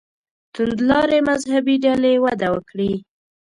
توندلارې مذهبي ډلې وده وکړي.